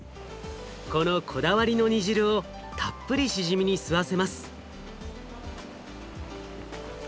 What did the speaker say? このこだわりの煮汁をたっぷりしじみに吸わせます。